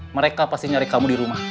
mereka pasti nyari kamu di rumah